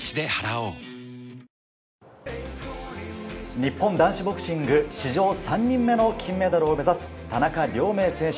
日本男子ボクシング史上３人目の金メダルを目指す田中亮明選手。